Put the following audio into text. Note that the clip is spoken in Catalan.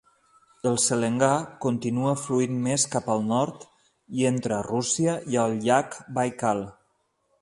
El Selengà continua fluint més cap al nord i entra a Rússia i al llac Baikal.